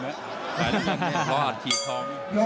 เสียแขกเขาอาจฉีดทอง